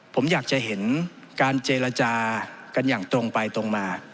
ผมอยากจะเห็นการเจรจากันอย่างตรงไปตรงมา